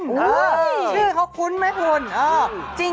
ชื่อเค้าคุ้นไหมฝน